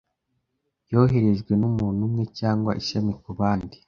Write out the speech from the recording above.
yoherejwe n'umuntu umwe cyangwa ishami kubandi